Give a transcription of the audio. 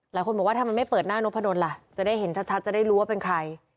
หลายคนบอกว่าทำไมไม่เปิดหน้านกพะดนล่ะจะได้เห็นชัดจะได้รู้ว่าเป็นใคร